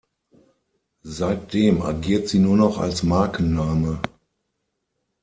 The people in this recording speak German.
Seitdem agiert sie nur noch als Markenname.